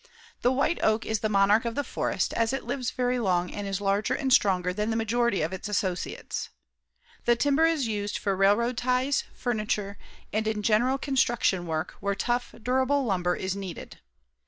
The white oak is the monarch of the forest, as it lives very long and is larger and stronger than the majority of its associates. The timber is used for railroad ties, furniture, and in general construction work where tough, durable lumber is needed.